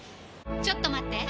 ちょっと待って！